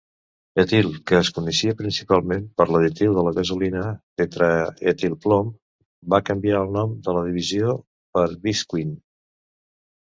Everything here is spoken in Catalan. Ethyl, que es coneixia principalment per l'additiu de la gasolina tetraetilplom, va canviar el nom de la divisió per VisQueen.